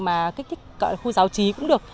mà kích thích gọi là khu giáo trí cũng được